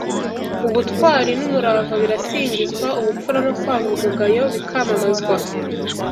Ubutwari n’umurava birasingizwa, ubupfura no kwanga umugayo bikamamazwa